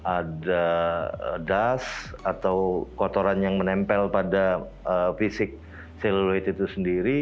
ada das atau kotoran yang menempel pada fisik seluloid itu sendiri